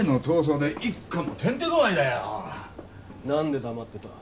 何で黙ってた？